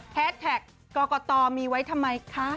แท็กกตมีไว้ทำไมคะ